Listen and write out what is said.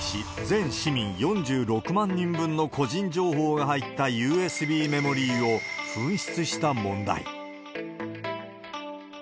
全市民４６万人分の個人情報が入ったＵＳＢメモリを、紛失した問題。